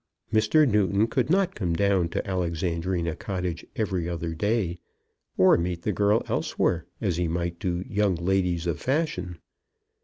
Mr. Newton could not come down to Alexandrina Cottage every other day, or meet the girl elsewhere, as he might do young ladies of fashion.